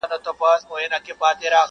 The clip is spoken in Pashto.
هر څوک هڅه کوي تېر هېر کړي خو نه کيږي,